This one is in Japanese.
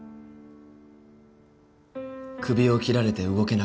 首を切られて動けなくなった。